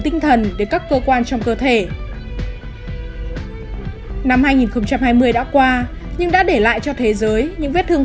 tinh thần đến các cơ quan trong cơ thể năm hai nghìn hai mươi đã qua nhưng đã để lại cho thế giới những vết thương